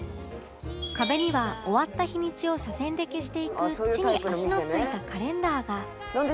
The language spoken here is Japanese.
壁には終わった日にちを斜線で消していく地に足のついたカレンダーが